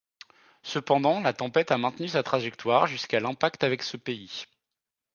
Cependant, la tempête a maintenu sa trajectoire jusqu'à l'impact avec ce pays.